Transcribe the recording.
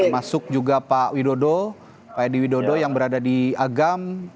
termasuk juga pak widodo pak edi widodo yang berada di agam